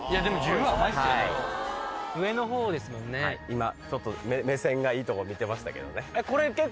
今目線がいいとこ見てましたけどね。